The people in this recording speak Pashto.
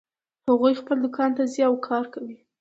هغوی خپل دوکان ته ځي او کار کوي